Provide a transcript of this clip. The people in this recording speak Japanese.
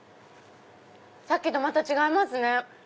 さっきとまた違いますね。